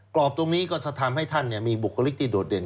รอบตรงนี้ก็จะทำให้ท่านมีบุคลิกที่โดดเด่น